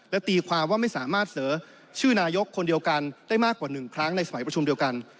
ตีความว่าไม่สามารถเสนอชื่อนายกคนเดียวกันได้มากกว่า๑ครั้งในสมัยประชุมเดียวกัน